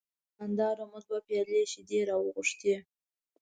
له دوکاندار نه مو دوه پیالې شیدې وغوښتې.